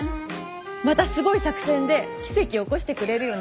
またすごい作戦で奇跡を起こしてくれるよね。